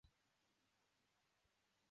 蛹体色淡褐且带有淡紫色光泽。